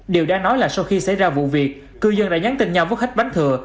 điều đang nói là sau khi xảy ra vụ việc cư dân đã nhắn tin nhau với khách bánh thừa